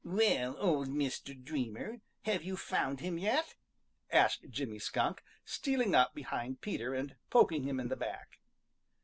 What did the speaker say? "Well, old Mr. Dreamer, have you found him yet?" asked Jimmy Skunk, stealing up behind Peter and poking him in the back.